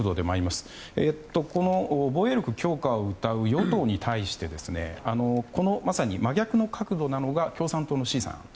この防衛力強化をうたう与党に対して真逆の角度なのが共産党の志位さん。